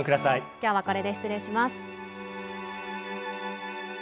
「今日はこれで失礼します」。